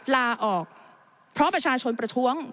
ลาออกเพราะประชาชนประท้วง